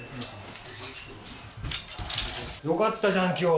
良かったじゃん今日。